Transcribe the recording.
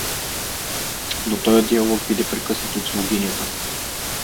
Но тоя диалог биде прекъснат от слугинята.